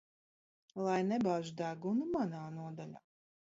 Lai nebāž degunu manā nodaļā.